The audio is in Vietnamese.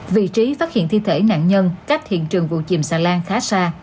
vị trí phát hiện thi thể nạn nhân cách hiện trường vụ chìm xà lan khá xa